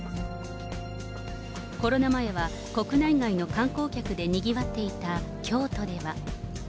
コロナ前は、国内外の観光客でにぎわっていた京都では。